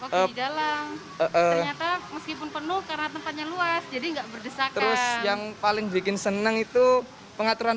penuh karena tempatnya luas jadi enggak berdesak terus yang paling bikin seneng itu pengaturan